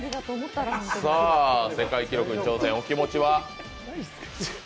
世界記録に挑戦、お気持ちは？